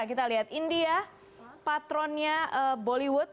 kita lihat india patronnya bollywood